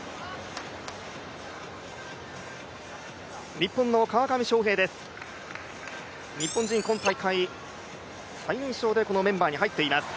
日本の川上翔平です、日本人、今大会、最年少でこのメンバーに入っています。